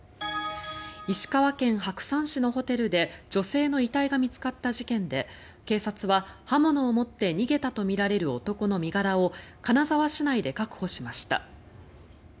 石川県白山市のホテルで女性の遺体が見つかった事件で警察は刃物を持って逃げたとみられる男の身柄を金沢市内で確保しました。